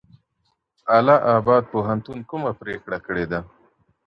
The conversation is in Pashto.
اله اباد پوهنتون کومه پرېکړه کړي ده؟